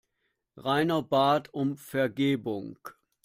Rainer bat um Vergebung.